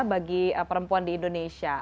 bagi perempuan di indonesia